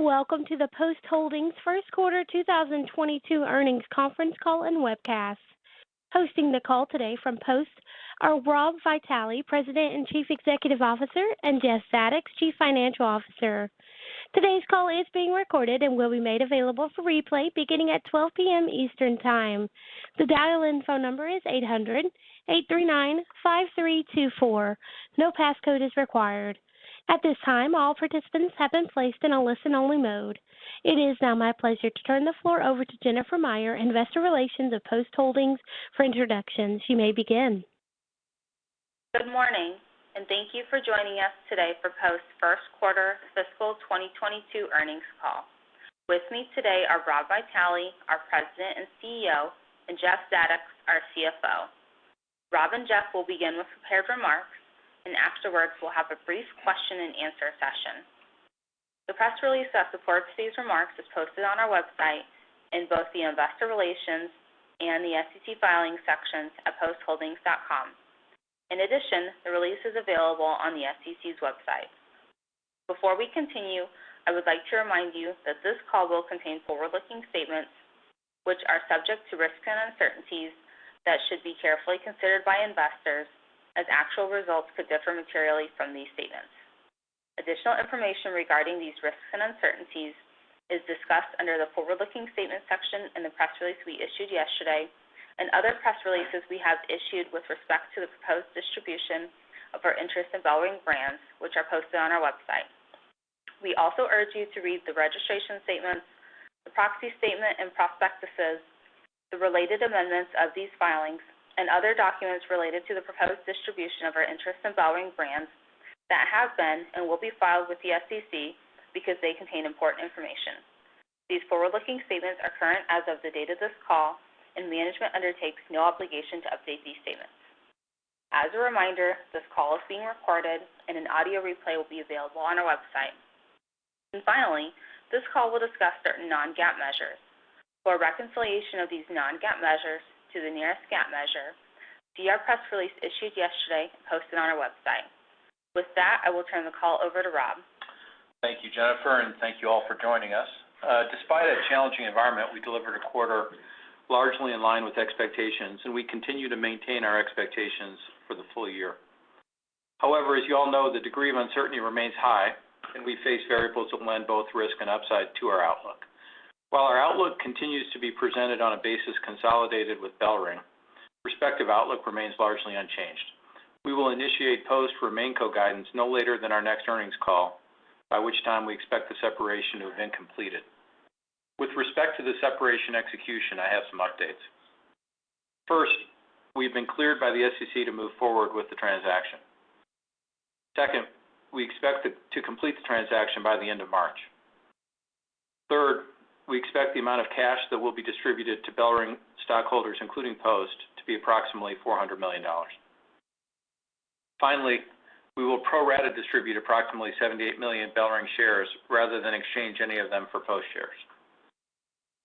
Hello, and welcome to the Post Holdings first quarter 2022 earnings conference call and webcast. Hosting the call today from Post are Rob Vitale, President and Chief Executive Officer, and Jeff Zadoks, Chief Financial Officer. Today's call is being recorded and will be made available for replay beginning at 12:00 P.M. Eastern Time. The dial-in phone number is eight hundred eight thrity nine five three two four. No passcode is required. At this time, all participants have been placed in a listen-only mode. It is now my pleasure to turn the floor over to Jennifer Meyer, Investor Relations of Post Holdings for introductions. You may begin. Good morning, and thank you for joining us today for Post first quarter fiscal 2022 earnings call. With me today are Rob Vitale, our President and CEO, and Jeff Zadoks, our CFO. Rob and Jeff will begin with prepared remarks, and afterwards, we'll have a brief question-and-answer session. The press release that supports these remarks is posted on our website in both the Investor Relations and the SEC filings sections at postholdings.com. In addition, the release is available on the SEC's website. Before we continue, I would like to remind you that this call will contain forward-looking statements, which are subject to risks and uncertainties that should be carefully considered by investors as actual results could differ materially from these statements. Additional information regarding these risks and uncertainties is discussed under the Forward-Looking Statements section in the press release we issued yesterday and other press releases we have issued with respect to the proposed distribution of our interest in BellRing Brands, which are posted on our website. We also urge you to read the registration statements, the proxy statement and prospectuses, the related amendments of these filings and other documents related to the proposed distribution of our interest in BellRing Brands that have been and will be filed with the SEC because they contain important information. These forward-looking statements are current as of the date of this call, and management undertakes no obligation to update these statements. As a reminder, this call is being recorded and an audio replay will be available on our website. Finally, this call will discuss certain non-GAAP measures. For a reconciliation of these non-GAAP measures to the nearest GAAP measure, see our press release issued yesterday, posted on our website. With that, I will turn the call over to Rob. Thank you, Jennifer, and thank you all for joining us. Despite a challenging environment, we delivered a quarter largely in line with expectations, and we continue to maintain our expectations for the full year. However, as you all know, the degree of uncertainty remains high, and we face variables that lend both risk and upside to our outlook. While our outlook continues to be presented on a basis consolidated with BellRing, respective outlook remains largely unchanged. We will initiate Post remaining co-guidance no later than our next earnings call, by which time we expect the separation to have been completed. With respect to the separation execution, I have some updates. First, we've been cleared by the SEC to move forward with the transaction. Second, we expect to complete the transaction by the end of March. Third, we expect the amount of cash that will be distributed to BellRing stockholders, including Post, to be approximately $400 million. Finally, we will pro rata distribute approximately 78 million BellRing shares rather than exchange any of them for Post shares.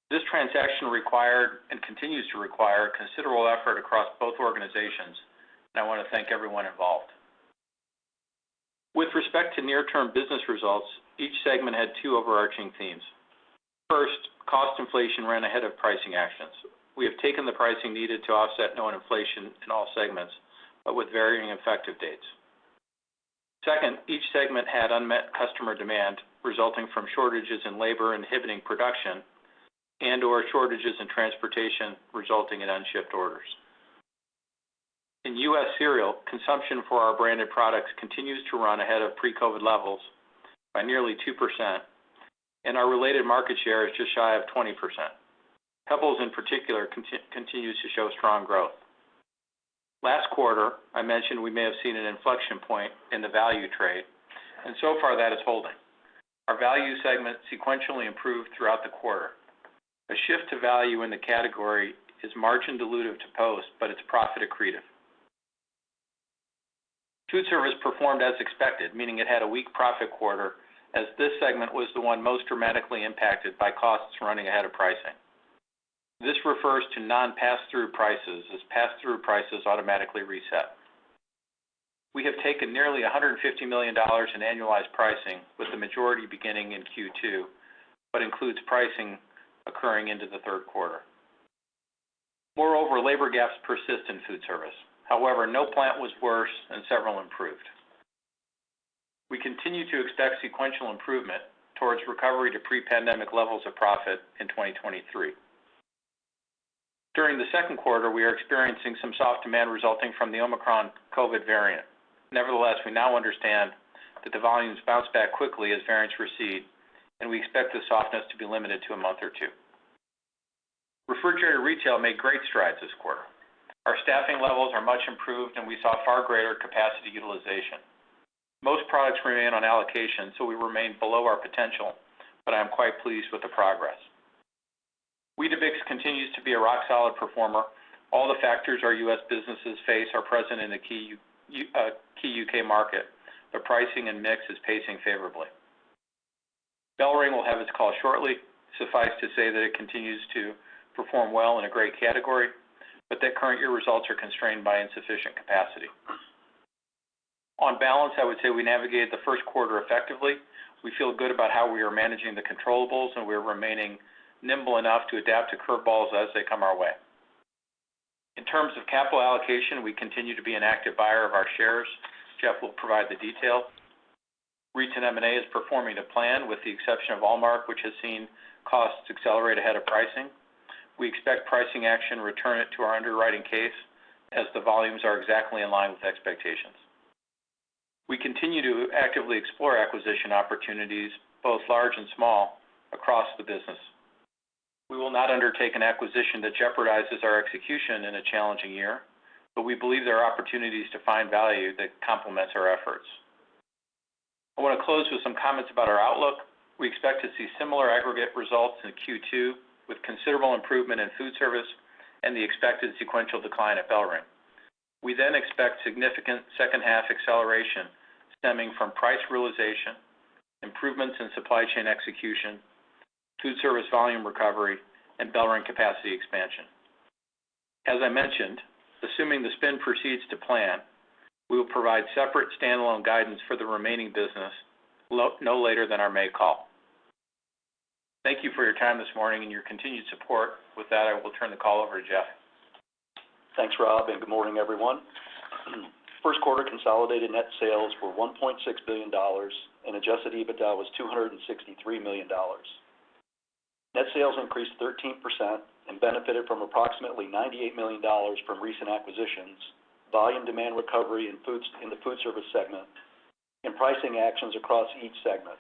This transaction required and continues to require considerable effort across both organizations, and I want to thank everyone involved. With respect to near-term business results, each segment had two overarching themes. First, cost inflation ran ahead of pricing actions. We have taken the pricing needed to offset known inflation in all segments, but with varying effective dates. Second, each segment had unmet customer demand resulting from shortages in labor inhibiting production and/or shortages in transportation resulting in unshipped orders. In U.S. Cereal, consumption for our branded products continues to run ahead of pre-COVID levels by nearly 2%, and our related market share is just shy of 20%. Pebbles, in particular, continues to show strong growth. Last quarter, I mentioned we may have seen an inflection point in the value trade, and so far that is holding. Our value segment sequentially improved throughout the quarter. A shift to value in the category is margin dilutive to Post, but it's profit accretive. Foodservice performed as expected, meaning it had a weak profit quarter as this segment was the one most dramatically impacted by costs running ahead of pricing. This refers to non-pass-through prices, as pass-through prices automatically reset. We have taken nearly $150 million in annualized pricing with the majority beginning in Q2, but includes pricing occurring into the third quarter. Moreover, labor gaps persist in foodservice. However, no plant was worse and several improved. We continue to expect sequential improvement towards recovery to pre-pandemic levels of profit in 2023. During the second quarter, we are experiencing some soft demand resulting from the Omicron COVID variant. Nevertheless, we now understand that the volumes bounce back quickly as variants recede, and we expect the softness to be limited to a month or two. Refrigerated retail made great strides this quarter. Our staffing levels are much improved, and we saw far greater capacity utilization. Most products remain on allocation, so we remain below our potential, but I am quite pleased with the progress. Weetabix continues to be a rock-solid performer. All the factors our U.S. businesses face are present in the key U.K. market, but pricing and mix is pacing favorably. BellRing will have its call shortly. Suffice to say that it continues to perform well in a great category, but that current year results are constrained by insufficient capacity. On balance, I would say we navigated the first quarter effectively. We feel good about how we are managing the controllables, and we are remaining nimble enough to adapt to curve balls as they come our way. In terms of capital allocation, we continue to be an active buyer of our shares. Jeff will provide the detail. Recent M&A is performing to plan with the exception of Almark, which has seen costs accelerate ahead of pricing. We expect pricing action return it to our underwriting case as the volumes are exactly in line with expectations. We continue to actively explore acquisition opportunities, both large and small, across the business. We will not undertake an acquisition that jeopardizes our execution in a challenging year, but we believe there are opportunities to find value that complements our efforts. I wanna close with some comments about our outlook. We expect to see similar aggregate results in Q2, with considerable improvement in food service and the expected sequential decline at BellRing. We then expect significant second half acceleration stemming from price realization, improvements in supply chain execution, food service volume recovery, and BellRing capacity expansion. As I mentioned, assuming the spin proceeds to plan, we will provide separate standalone guidance for the remaining business no later than our May call. Thank you for your time this morning and your continued support. With that, I will turn the call over to Jeff. Thanks, Rob, and good morning, everyone. First quarter consolidated net sales were $1.6 billion, and adjusted EBITDA was $263 million. Net sales increased 13% and benefited from approximately $98 million from recent acquisitions, volume demand recovery in the food service segment, and pricing actions across each segment.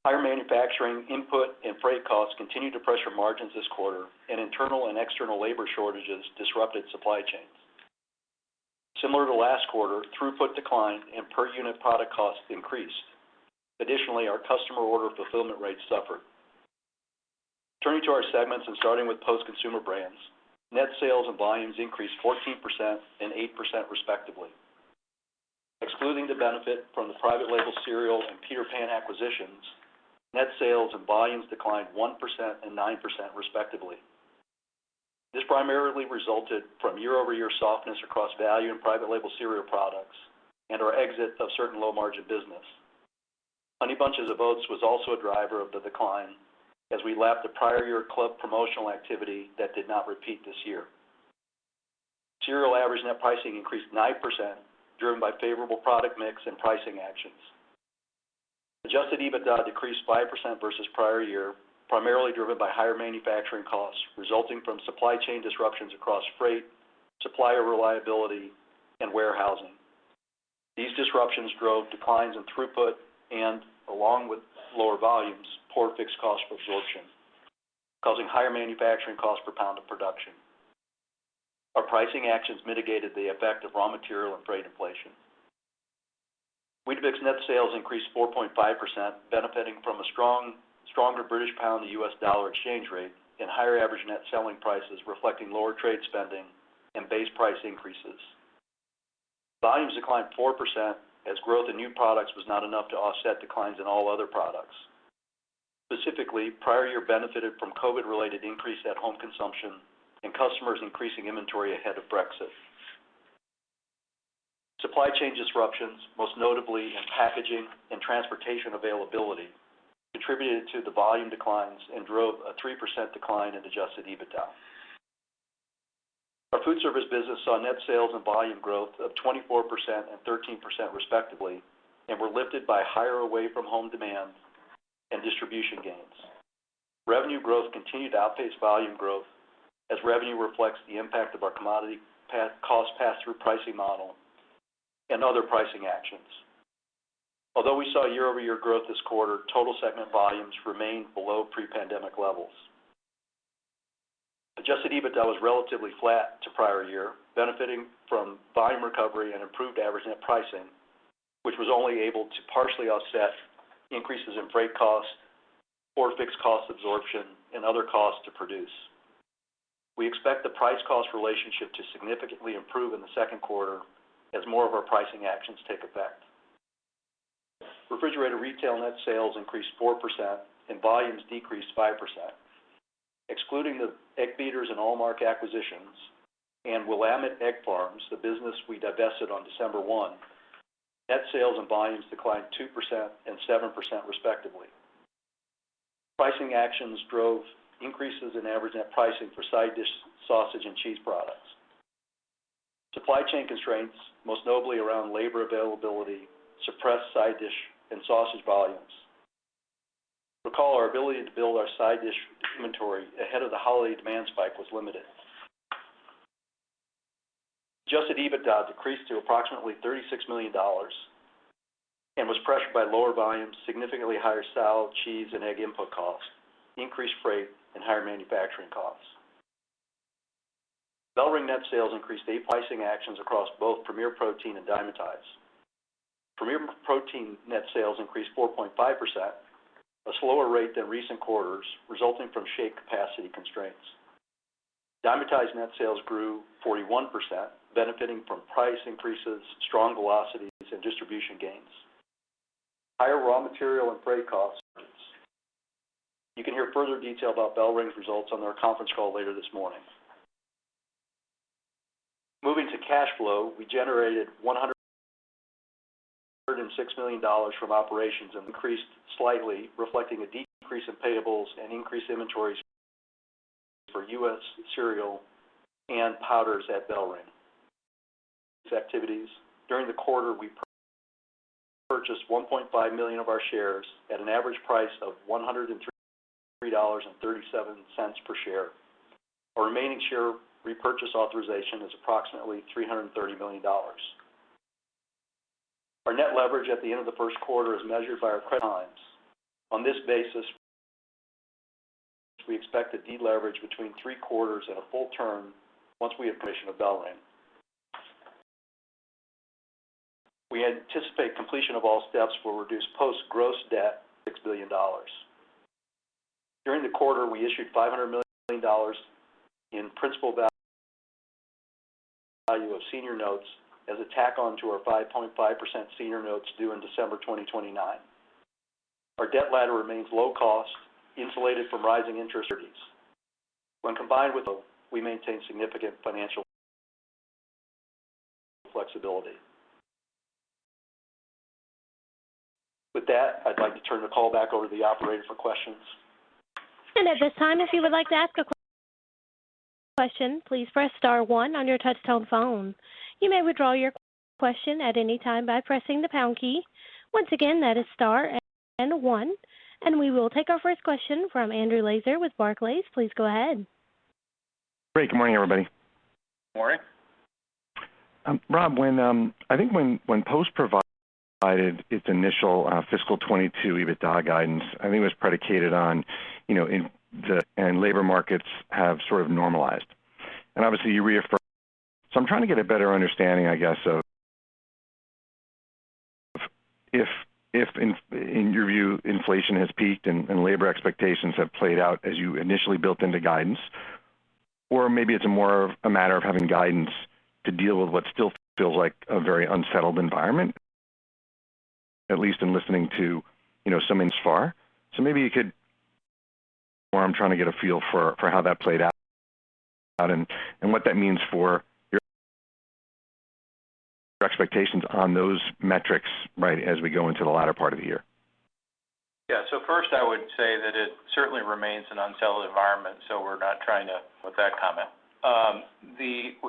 Higher manufacturing input and freight costs continued to pressure margins this quarter, and internal and external labor shortages disrupted supply chains. Similar to last quarter, throughput declined and per unit product costs increased. Additionally, our customer order fulfillment rates suffered. Turning to our segments and starting with Post Consumer Brands, net sales and volumes increased 14% and 8% respectively. Excluding the benefit from the private label cereal and Peter Pan acquisitions, net sales and volumes declined 1% and 9% respectively. This primarily resulted from year-over-year softness across value and private label cereal products and our exit of certain low margin business. Honey Bunches of Oats was also a driver of the decline as we lapped the prior year club promotional activity that did not repeat this year. Cereal average net pricing increased 9%, driven by favorable product mix and pricing actions. Adjusted EBITDA decreased 5% versus prior year, primarily driven by higher manufacturing costs resulting from supply chain disruptions across freight, supplier reliability, and warehousing. These disruptions drove declines in throughput and along with lower volumes, poor fixed cost absorption, causing higher manufacturing cost per pound of production. Our pricing actions mitigated the effect of raw material and freight inflation. Weetabix net sales increased 4.5%, benefiting from a stronger British pound to US.. Dollar exchange rate and higher average net selling prices reflecting lower trade spending and base price increases. Volumes declined 4% as growth in new products was not enough to offset declines in all other products. Specifically, prior year benefited from COVID-related increase at home consumption and customers increasing inventory ahead of Brexit. Supply chain disruptions, most notably in packaging and transportation availability, contributed to the volume declines and drove a 3% decline in adjusted EBITDA. Our food service business saw net sales and volume growth of 24% and 13% respectively and were lifted by higher away from home demand and distribution gains. Revenue growth continued to outpace volume growth as revenue reflects the impact of our commodity cost pass-through pricing model and other pricing actions. Although we saw year-over-year growth this quarter, total segment volumes remained below pre-pandemic levels. Adjusted EBITDA was relatively flat to prior year, benefiting from volume recovery and improved average net pricing, which was only able to partially offset increases in freight costs or fixed cost absorption and other costs to produce. We expect the price cost relationship to significantly improve in the second quarter as more of our pricing actions take effect. Refrigerated retail net sales increased 4% and volumes decreased 5%. Excluding the Egg Beaters and Almark acquisitions and Willamette Egg Farms, the business we divested on December 1, net sales and volumes declined 2% and 7% respectively. Pricing actions drove increases in average net pricing for side dish, sausage, and cheese products. Supply chain constraints, most notably around labor availability, suppressed side dish and sausage volumes. Recall our ability to build our side dish inventory ahead of the holiday demand spike was limited. Adjusted EBITDA decreased to approximately $36 million and was pressured by lower volumes, significantly higher soy oil, cheese and egg input costs, increased freight, and higher manufacturing costs. BellRing net sales increased 8% from pricing actions across both Premier Protein and Dymatize. Premier Protein net sales increased 4.5%, a slower rate than recent quarters, resulting from shake capacity constraints. Dymatize net sales grew 41%, benefiting from price increases, strong velocities, and distribution gains. Higher raw material and freight costs You can hear further detail about BellRing's results on our conference call later this morning. Moving to cash flow, we generated $106 million from operations and increased slightly, reflecting a decrease in payables and increased inventories for U.S. cereal and powders at BellRing. During the quarter, we purchased 1.5 million of our shares at an average price of $103.37 per share. Our remaining share repurchase authorization is approximately $330 million. Our net leverage at the end of the first quarter is measured by our credit lines. On this basis, we expect to deleverage between three-quarters and a full turn once we have permission of BellRing. We anticipate completion of all steps will reduce Post's gross debt to $6 billion. During the quarter, we issued $500 million in principal value of senior notes as a tack-on to our 5.5% senior notes due in December 2029. Our debt ladder remains low-cost, insulated from rising interest rates. When combined with flow, we maintain significant financial flexibility. With that, I'd like to turn the call back over to the Operator for questions. At this time, if you would like to ask a question, please press star one on your touch-tone phone. You may withdraw your question at any time by pressing the pound key. Once again, that is star and one. We will take our first question from Andrew Lazar with Barclays. Please go ahead. Great. Good morning, everybody. Good morning. Rob, I think when Post provided its initial fiscal 2022 EBITDA guidance, I think it was predicated on, you know, and labor markets have sort of normalized. Obviously you reaffirm. I'm trying to get a better understanding, I guess, of if in your view, inflation has peaked and labor expectations have played out as you initially built into guidance, or maybe it's more of a matter of having guidance to deal with what still feels like a very unsettled environment, at least in listening to, you know, some things so far. Maybe you could or I'm trying to get a feel for how that played out and what that means for your expectations on those metrics right as we go into the latter part of the year. Yeah. First, I would say that it certainly remains an unsettled environment, so we're not trying to with that comment.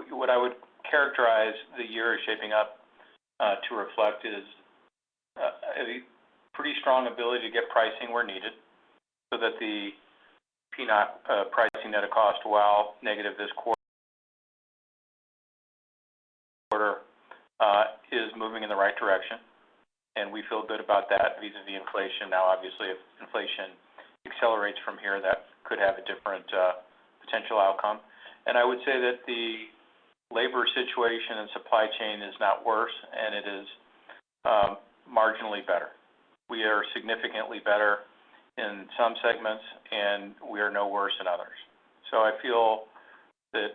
What I would characterize the year is shaping up to reflect is a pretty strong ability to get pricing where needed so that the P&L pricing net of cost, while negative this quarter, is moving in the right direction. We feel good about that vis-à-vis inflation. Now obviously, if inflation accelerates from here, that could have a different potential outcome. I would say that the labor situation and supply chain is not worse, and it is marginally better. We are significantly better in some segments, and we are no worse than others. I feel that,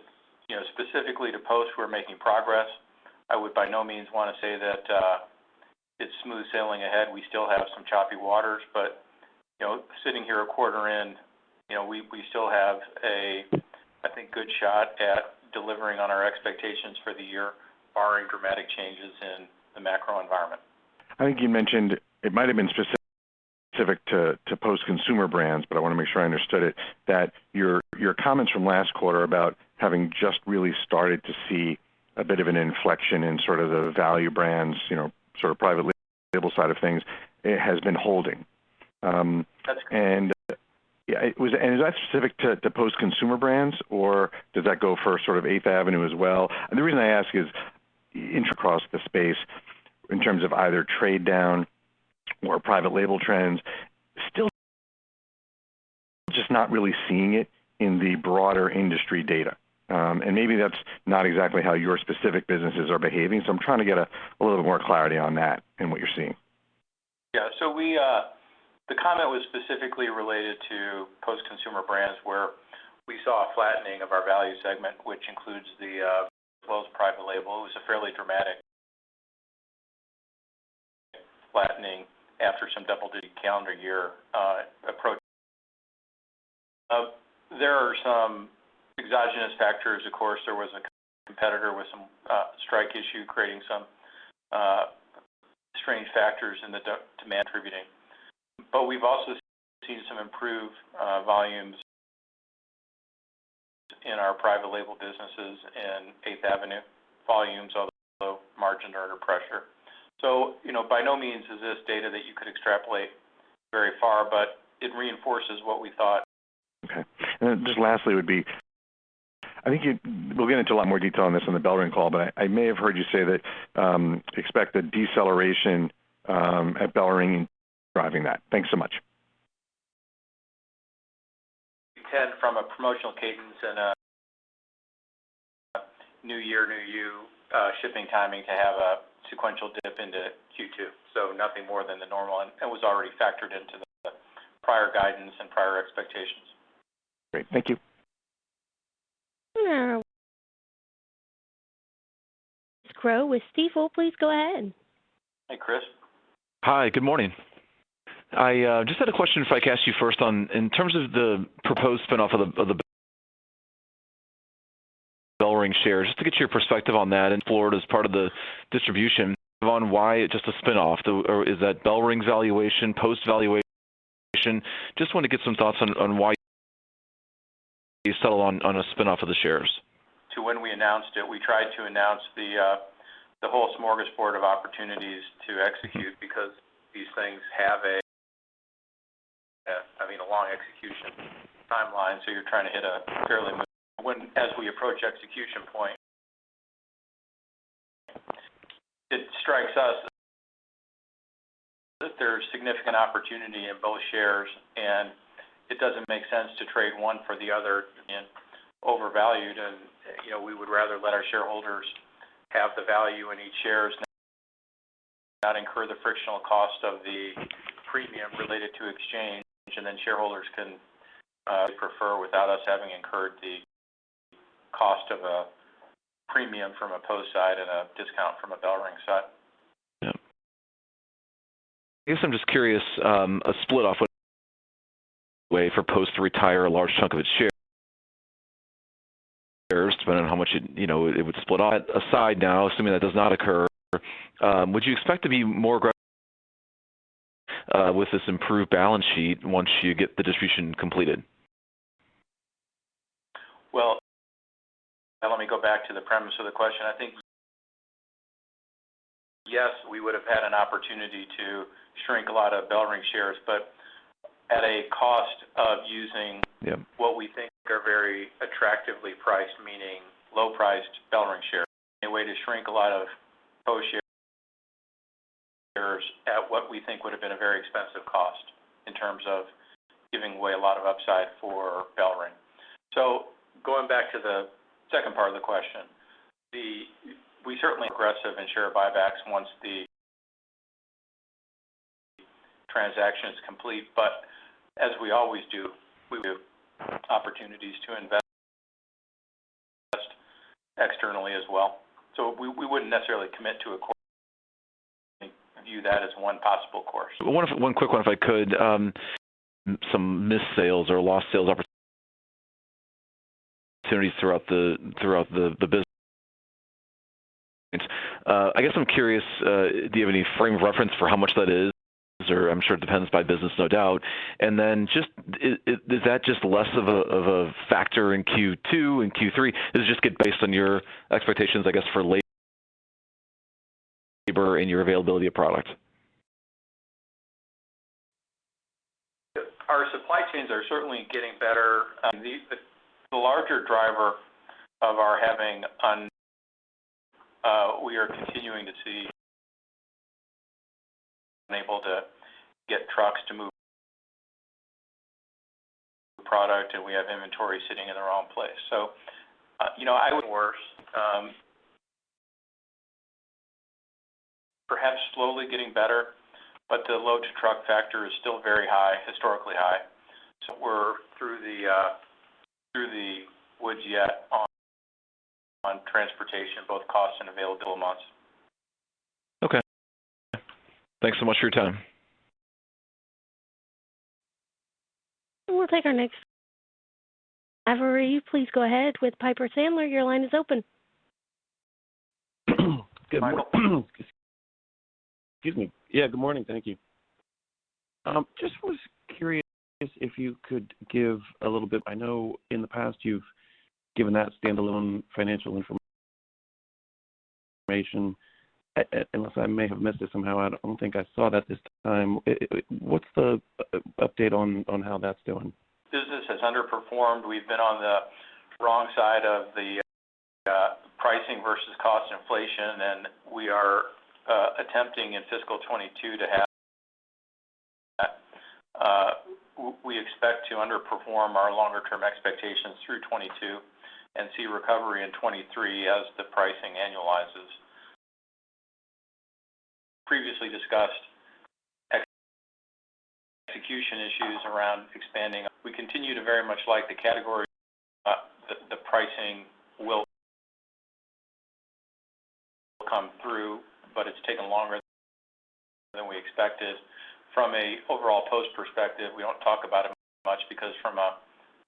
you know, specifically to Post, we're making progress. I would by no means wanna say that it's smooth sailing ahead. We still have some choppy waters. You know, sitting here a quarter in, you know, we still have a, I think, good shot at delivering on our expectations for the year barring dramatic changes in the macro environment. I think you mentioned it might have been specific to Post Consumer Brands, but I wanna make sure I understood it, that your comments from last quarter about having just really started to see a bit of an inflection in sort of the value brands, you know, sort of private label side of things, it has been holding. That's correct. Yeah. Is that specific to Post Consumer Brands or does that go for sort of 8th Avenue as well? The reason I ask is interest across the space in terms of either trade down or private label trends still just not really seeing it in the broader industry data. Maybe that's not exactly how your specific businesses are behaving. I'm trying to get a little bit more clarity on that and what you're seeing. Yeah. The comment was specifically related to Post Consumer Brands, where we saw a flattening of our value segment, which includes the Post private label. It was a fairly dramatic flattening after some double-digit calendar year approach. There are some exogenous factors. Of course, there was a competitor with some strike issue creating some strange factors in the demand attributing. But we've also seen some improved volumes in our private label businesses and 8th Avenue volumes, although margins are under pressure. You know, by no means is this data that you could extrapolate very far, but it reinforces what we thought. Okay. Then just lastly would be, I think we'll get into a lot more detail on this on the BellRing call, but I may have heard you say that expect a deceleration at BellRing driving that. Thanks so much. From a promotional cadence and a new year, new you, shipping timing to have a sequential dip into Q2. Nothing more than the normal and was already factored into the prior guidance and prior expectations. Great. Thank you. Chris Growe with Stifel. Please go ahead. Hi, Chris. Hi, good morning. I just had a question if I could ask you first in terms of the proposed spin-off of the BellRing shares, just to get your perspective on that and for the part of the distribution on why just a spin-off. Or is that BellRing valuation, Post valuation? Just want to get some thoughts on why you settle on a spin-off of the shares. to when we announced it, we tried to announce the whole smorgasbord of opportunities to execute because these things have, I mean, a long execution timeline, so you're trying to hit them early as we approach execution point. It strikes us that there's significant opportunity in both shares, and it doesn't make sense to trade one for the other when overvalued. You know, we would rather let our shareholders have the value in each share, not incur the frictional cost of the premium related to exchange. Shareholders can prefer without us having incurred the cost of a premium from a Post side and a discount from a BellRing side. Yeah. I guess I'm just curious, a split-off would be a way for Post to retire a large chunk of its shares, depending on how much it, you know, it would split off. That aside now, assuming that does not occur, would you expect to be more aggressive with this improved balance sheet once you get the distribution completed? Well, let me go back to the premise of the question. I think, yes, we would have had an opportunity to shrink a lot of BellRing shares, but at a cost of using. Yeah. What we think are very attractively priced, meaning low-priced BellRing shares. A way to shrink a lot of Post shares at what we think would have been a very expensive cost in terms of giving away a lot of upside for BellRing. Going back to the second part of the question, we certainly are aggressive in share buybacks once the transaction is complete. But as we always do, we give opportunities to invest externally as well. We wouldn't necessarily commit to a course. We view that as one possible course. One quick one, if I could. Some missed sales or lost sales opportunities throughout the business. I guess I'm curious, do you have any frame of reference for how much that is? Or I'm sure it depends by business, no doubt. Just, is that just less of a factor in Q2 and Q3? Does it just get based on your expectations, I guess, for labor and your availability of product? Our supply chains are certainly getting better. The larger driver is that we are continuing to see that we are unable to get trucks to move product, and we have inventory sitting in the wrong place. You know, it's worse, perhaps slowly getting better, but the load-to-truck factor is still very high, historically high. We're not through the woods yet on transportation, both cost and availability for months. Okay. Thanks so much for your time. We'll take our next. Michael Lavery, please go ahead with Piper Sandler. Your line is open. Good morning. Excuse me. Yeah, good morning. Thank you. I just was curious if you could give a little bit. I know in the past you've given that standalone financial information. Unless I may have missed it somehow, I don't think I saw that this time. What's the update on how that's doing? Business has underperformed. We've been on the wrong side of the pricing versus cost inflation, and we are attempting in fiscal 2022 to have that. We expect to underperform our longer term expectations through 2022 and see recovery in 2023 as the pricing annualizes. Previously discussed execution issues around expanding. We continue to very much like the category. The pricing will come through, but it's taken longer than we expected. From an overall Post perspective, we don't talk about it much because from a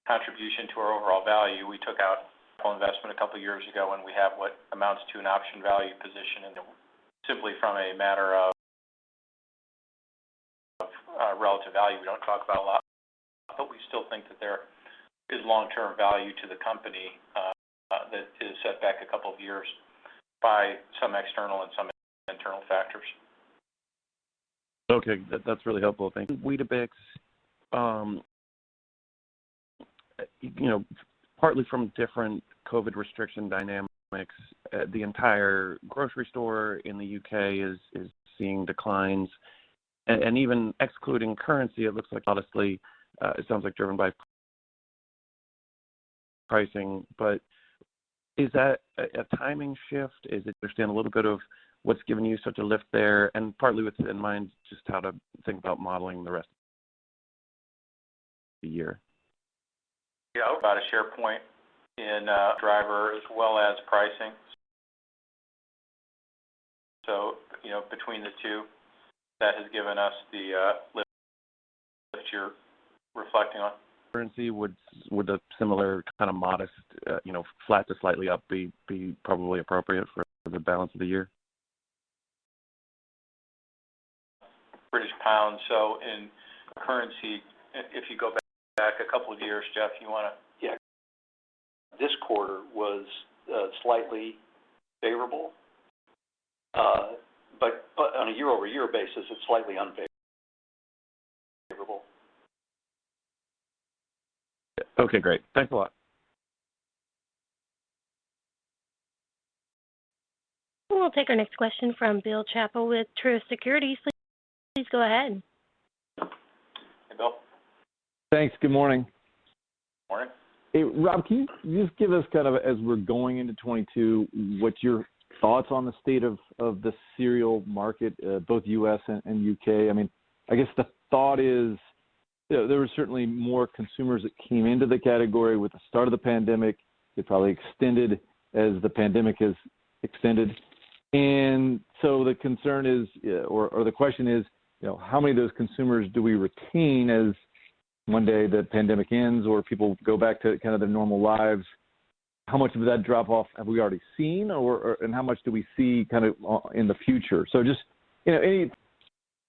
contribution to our overall value, we took out investment a couple of years ago, and we have what amounts to an option value position. Simply from a matter of relative value, we don't talk about a lot, but we still think that there is long-term value to the company that is set back a couple of years by some external and some internal factors. Okay. That's really helpful. Thank you. Weetabix, you know, partly from different COVID restriction dynamics, the entire grocery store in the U.K. is seeing declines. Even excluding currency, it looks like, honestly, it sounds like driven by pricing. But is that a timing shift? Can you help us understand a little bit of what's giving you such a lift there? Partly with that in mind just how to think about modeling the rest of the year. Yeah, about a share point in driver as well as pricing. You know, between the two, that has given us the lift that you're reflecting on. Currency would a similar kind of modest, you know, flat to slightly up be probably appropriate for the balance of the year? British pound. In currency, if you go back a couple of years, Jeff, you wanna... Yeah. This quarter was slightly favorable. On a year-over-year basis, it's slightly unfavorable. Okay, great. Thanks a lot. We'll take our next question from Bill Chappell with Truist Securities. Please go ahead. Hey, Bill. Thanks. Good morning. Morning. Hey, Rob, can you just give us kind of as we're going into 2022 what's your thoughts on the state of the cereal market both U.S. and U.K.? I mean, I guess the thought is there were certainly more consumers that came into the category with the start of the pandemic. They probably extended as the pandemic has extended. The concern is or the question is you know how many of those consumers do we retain as one day the pandemic ends or people go back to kind of their normal lives? How much of that drop off have we already seen or and how much do we see kind of in the future? Just, you know, any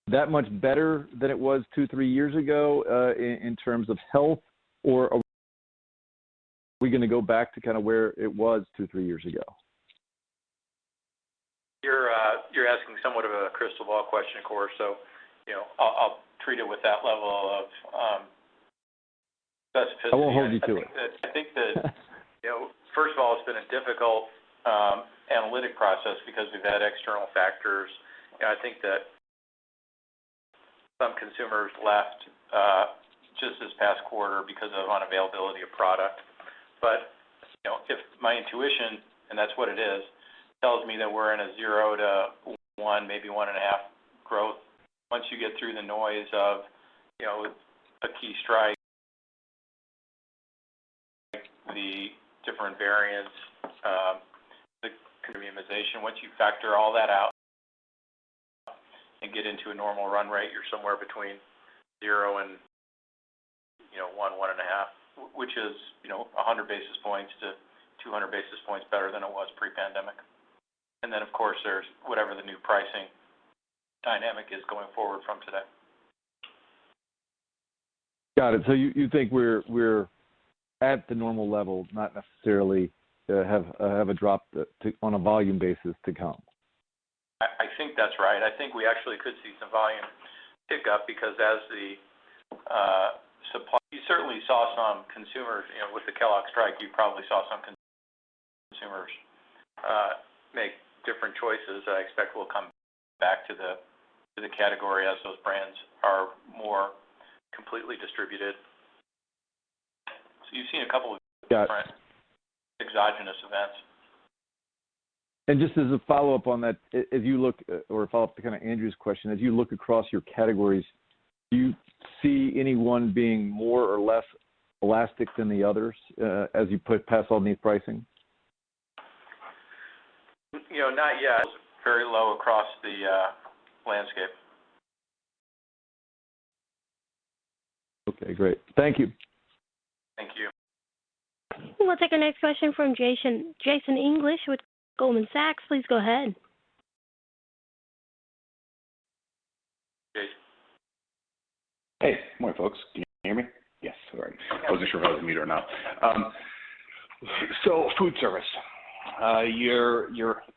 that much better than it was two, three years ago in terms of health or are we gonna go back to kind of where it was two, three years ago? You're asking somewhat of a crystal ball question, of course. You know, I'll treat it with that level of specificity. I won't hold you to it. I think that you know, first of all, it's been a difficult analytic process because we've had external factors. You know, I think that some consumers left just this past quarter because of unavailability of product. You know, if my intuition, and that's what it is, tells me that we're in a 0%-1%, maybe 1.5% growth, once you get through the noise of, you know, a key strike, the different variants, the premiumization. Once you factor all that out and get into a normal run rate, you're somewhere between 0% and, you know, 1%, 1.5%, which is, you know, 100 basis points-200 basis points better than it was pre-pandemic. Then, of course, there's whatever the new pricing dynamic is going forward from today. Got it. You think we're at the normal level, not necessarily have a drop to on a volume basis to come? I think that's right. I think we actually could see some volume pick up. You certainly saw some consumers, you know, with the Kellogg's strike. You probably saw some consumers make different choices that I expect will come back to the category as those brands are more completely distributed. You've seen a couple of different- Got it. exogenous events. Just as a follow-up on that, if you look or follow up to kind of Andrew's question, as you look across your categories, do you see any one being more or less elastic than the others, as you pass on these pricing? You know, not yet. It's very low across the landscape. Okay, great. Thank you. Thank you. We'll take our next question from Jason. Jason English with Goldman Sachs. Please go ahead. Jason. Hey. Good morning, folks. Can you hear me? Yes. Sorry. I wasn't sure if I was on mute or not. Food service, your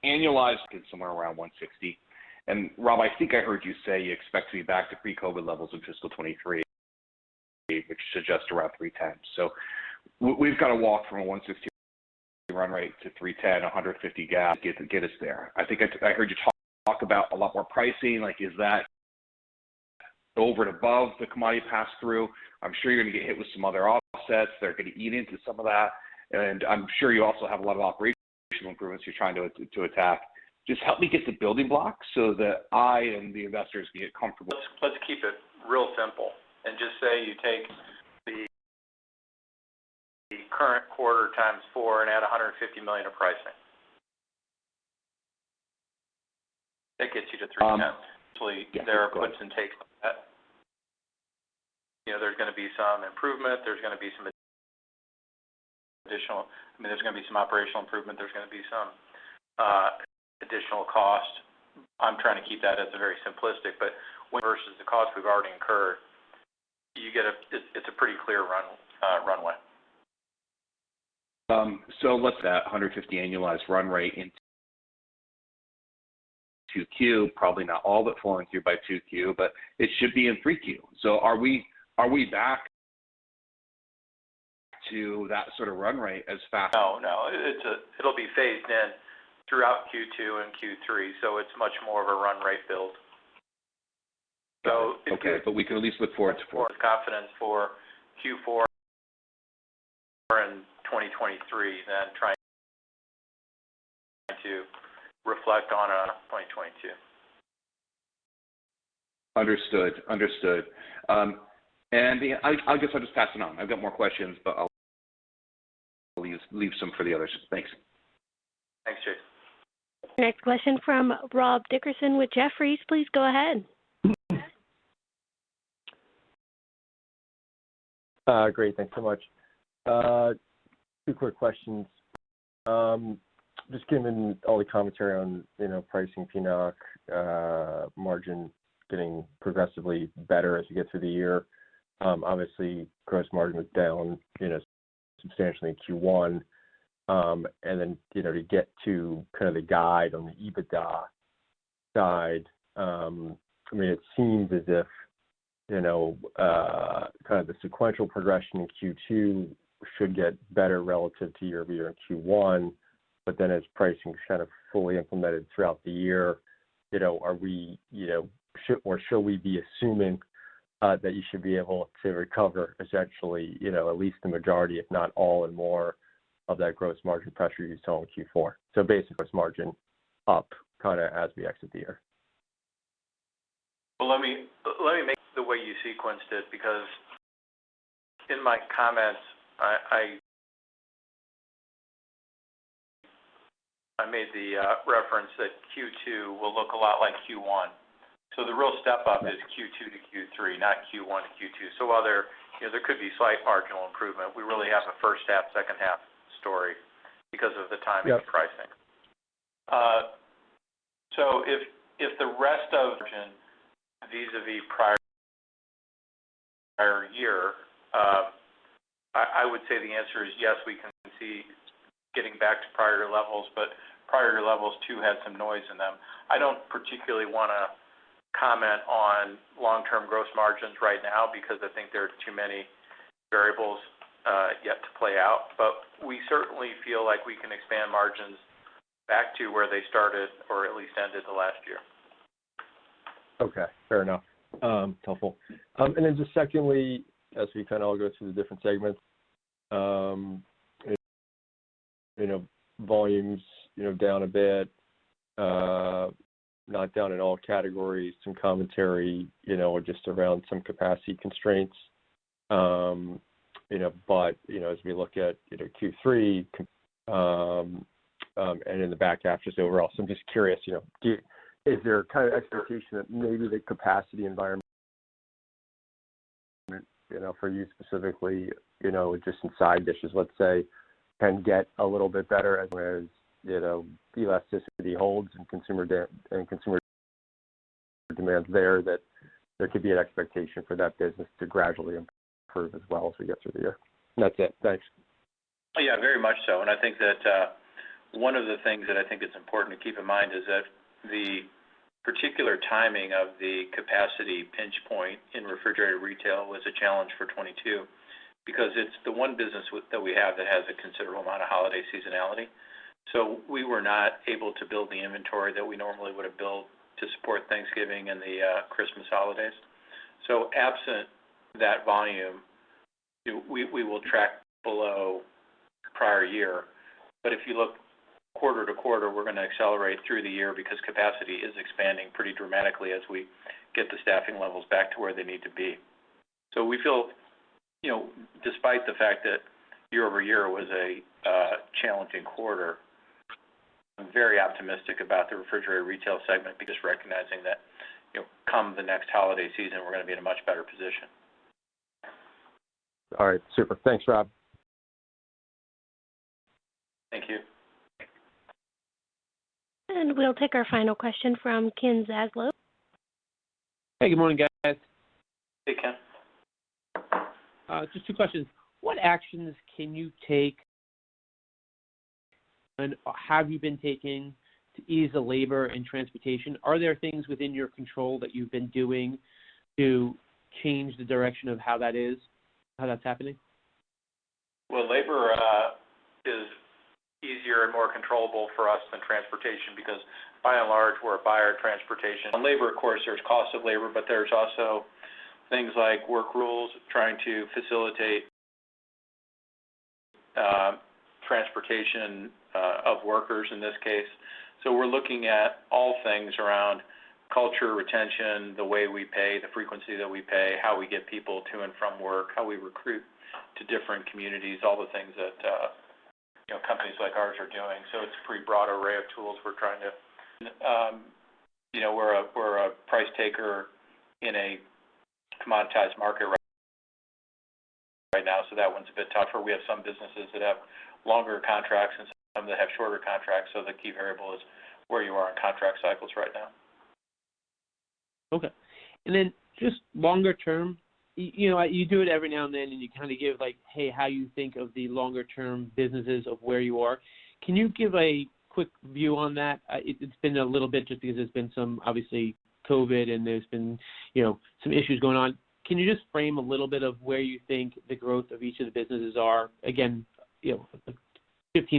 annualized is somewhere around $160. Rob, I think I heard you say you expect to be back to pre-COVID levels in fiscal 2023, which suggests around $310. We've got to walk from a $160 run rate to $310, $150 gap, get us there. I think I heard you talk about a lot more pricing. Like, is that over and above the commodity pass through? I'm sure you're gonna get hit with some other offsets. They're gonna eat into some of that. I'm sure you also have a lot of operational improvements you're trying to attack. Just help me get the building blocks so that I and the investors get comfortable. Let's keep it real simple and just say you take the current quarter times four and add $150 million of pricing. That gets you to $310. Um, There are puts and takes on that. You know, there's gonna be some improvement. I mean, there's gonna be some operational improvement, there's gonna be some additional cost. I'm trying to keep that as a very simplistic, but net versus the cost we've already incurred, you get, it's a pretty clear runway. Let's say that $150 annualized run rate in 2Q, probably not all but flowing through by 2Q, but it should be in 3Q. Are we back to that sort of run rate as fast- No, no. It'll be phased in throughout Q2 and Q3, so it's much more of a run rate build. It could- Okay. We can at least look for it. With confidence for Q4 in 2023 than trying to reflect on 2022. Understood. I guess I'll just pass it on. I've got more questions, but I'll leave some for the others. Thanks. Thanks, Jason Next question from Rob Dickerson with Jefferies. Please go ahead. Great. Thanks so much. Two quick questions. Just given all the commentary on, you know, pricing P&OC, margin getting progressively better as we get through the year, obviously, gross margin was down, you know, substantially in Q1. Then, you know, to get to kind of the guide on the EBITDA side, I mean, it seems as if, you know, kind of the sequential progression in Q2 should get better relative to year-over-year in Q1, but then as pricing is kind of fully implemented throughout the year, you know, should we be assuming that you should be able to recover essentially, you know, at least the majority, if not all and more of that gross margin pressure you saw in Q4? Basically gross margin up kinda as we exit the year. Well, let me make the way you sequenced it because in my comments, I made the reference that Q2 will look a lot like Q1. The real step-up is Q2 to Q3, not Q1 to Q2. While there, you know, there could be slight marginal improvement, we really have a first half, second half story because of the timing of the pricing. Yep. If the rest, vis-à-vis prior year, I would say the answer is yes, we can see getting back to prior levels, but prior levels too had some noise in them. I don't particularly wanna comment on long-term gross margins right now because I think there are too many variables yet to play out. We certainly feel like we can expand margins back to where they started or at least ended the last year. Okay. Fair enough. Helpful. Then just secondly, as we kind of all go through the different segments, you know, volumes, you know, down a bit, not down in all categories, some commentary, you know, just around some capacity constraints. You know, but, you know, as we look at, you know, Q3, and in the back half just overall. I'm just curious, you know, is there a kind of expectation that maybe the capacity environment, you know, for you specifically, you know, just in side dishes, let's say, can get a little bit better as whereas, you know, elasticity holds and consumer demands there that there could be an expectation for that business to gradually improve as well as we get through the year. That's it. Thanks. Yeah, very much so. I think that one of the things that I think is important to keep in mind is that the particular timing of the capacity pinch point in refrigerated retail was a challenge for 2022 because it's the one business that we have that has a considerable amount of holiday seasonality. We were not able to build the inventory that we normally would have built to support Thanksgiving and the Christmas holidays. Absent that volume, you know, we will track below prior year. If you look quarter-to-quarter, we're gonna accelerate through the year because capacity is expanding pretty dramatically as we get the staffing levels back to where they need to be. We feel, you know, despite the fact that year-over-year was a challenging quarter, I'm very optimistic about the refrigerated retail segment because recognizing that, you know, come the next holiday season, we're gonna be in a much better position. All right. Super. Thanks, Rob. Thank you. We'll take our final question from Ken Zaslow. Hey, good morning, guys. Hey, Ken. Just two questions. What actions can you take and have you been taking to ease the labor and transportation? Are there things within your control that you've been doing to change the direction of how that is, how that's happening? Well, labor is easier and more controllable for us than transportation because by and large, we're a buyer of transportation. On labor, of course, there's cost of labor, but there's also things like work rules, trying to facilitate transportation of workers in this case. We're looking at all things around culture, retention, the way we pay, the frequency that we pay, how we get people to and from work, how we recruit to different communities, all the things that you know, companies like ours are doing. It's a pretty broad array of tools we're trying to. You know, we're a price taker in a commoditized market right now, so that one's a bit tougher. We have some businesses that have longer contracts and some that have shorter contracts. The key variable is where you are in contract cycles right now. Okay. Just longer term, you know, you do it every now and then, and you kinda give, like, hey, how you think of the longer term businesses of where you are. Can you give a quick view on that? It's been a little bit just because there's been some obviously COVID and there's been, you know, some issues going on. Can you just frame a little bit of where you think the growth of each of the businesses are? Again, you know, 15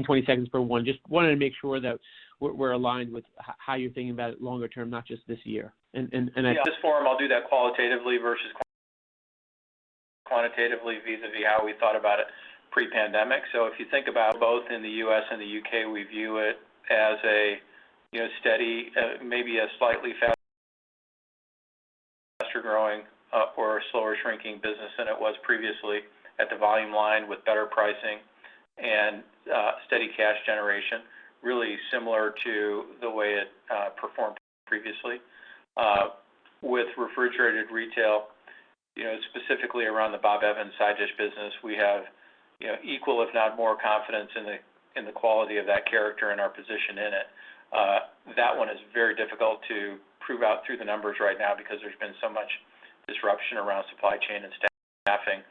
seconds, 20 seconds per one. Just wanted to make sure that we're aligned with how you're thinking about it longer term, not just this year. Yeah, on this forum I'll do that qualitatively versus quantitatively vis-à-vis how we thought about it pre-pandemic. If you think about both in the U.S. and the U.K., we view it as a you know steady maybe a slightly faster growing or slower shrinking business than it was previously at the volume line with better pricing and steady cash generation really similar to the way it performed previously. With refrigerated retail you know specifically around the Bob Evans side dish business, we have you know equal if not more confidence in the in the quality of that character and our position in it. That one is very difficult to prove out through the numbers right now because there's been so much disruption around supply chain and staffing.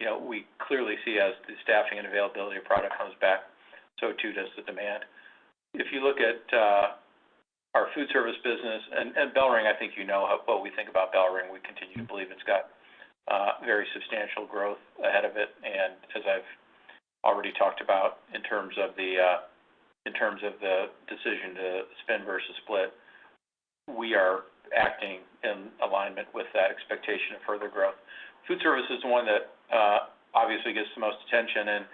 You know, we clearly see as the staffing and availability of product comes back, so too does the demand. If you look at our food service business and BellRing, I think you know what we think about BellRing. We continue to believe it's got very substantial growth ahead of it. As I've already talked about in terms of the decision to spin versus split, we are acting in alignment with that expectation of further growth. Food service is the one that obviously gets the most attention, and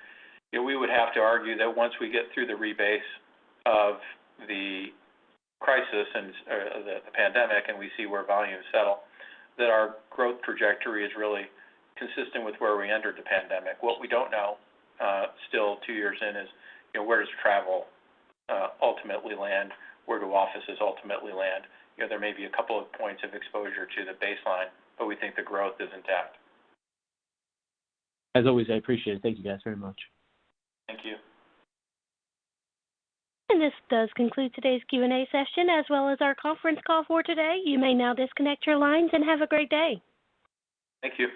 you know, we would have to argue that once we get through the rebase of the crisis or the pandemic, and we see where volumes settle, that our growth trajectory is really consistent with where we entered the pandemic. What we don't know, still two years in is, you know, where does travel ultimately land? Where do offices ultimately land? You know, there may be a couple of points of exposure to the baseline, but we think the growth is intact. As always, I appreciate it. Thank you guys very much. Thank you. This does conclude today's Q&A session, as well as our conference call for today. You may now disconnect your lines and have a great day. Thank you.